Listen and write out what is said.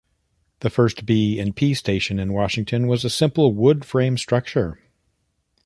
The first B and P station in Washington was a simple wood frame structure.